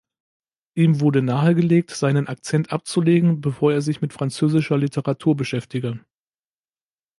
Ihm wurde nahegelegt, seinen Akzent abzulegen, bevor er sich mit französischer Literatur beschäftige.